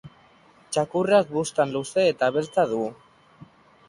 Txakurrak buztan luze eta beltza du